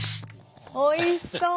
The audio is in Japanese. おいしそう！